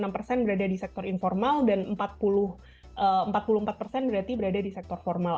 enam persen berada di sektor informal dan empat puluh empat persen berarti berada di sektor formal